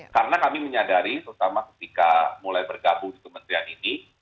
karena kami menyadari terutama ketika mulai bergabung di kementerian ini